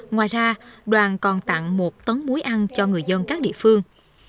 ngoài ra đoàn còn tặng một tấn muối ăn cho người dân các địa phương